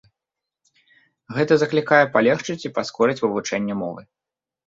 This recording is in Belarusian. Гэта заклікае палегчыць і паскорыць вывучэнне мовы.